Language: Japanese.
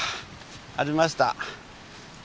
ありました。